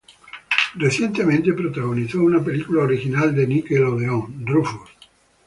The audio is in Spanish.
Recientemente protagonizó una película original de Nickelodeon, "Rufus".